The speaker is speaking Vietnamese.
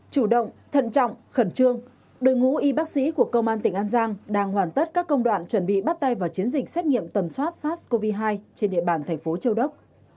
chủ động thận trọng khẩn trương đội ngũ y bác sĩ của công an tỉnh an giang đang hoàn tất các công đoạn chuẩn bị bắt tay vào chiến dịch xét nghiệm tầm soát sars cov hai trên địa bàn thành phố châu đốc